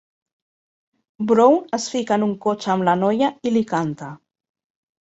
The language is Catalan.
Brown es fica en un cotxe amb la noia i li canta.